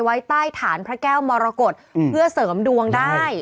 ไว้ใต้ฐานพระแก้วมรกฏเพื่อเสริมดวงได้